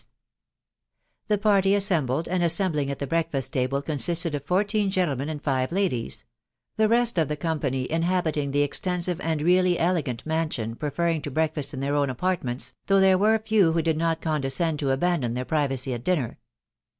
The party assembled and assembling at the breakfast table consisted of fourteen gentlemen and five ladies; die rest of the company inhabiting the extensive and really elegant man sion preferring to breakfast in their own apartments, though there were few who did not condescend to abandon their pri vacy at dinner.